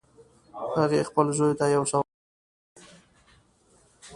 هغې خپل زوی ته یو سوغات راوړی